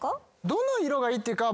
どの色がいいっていうか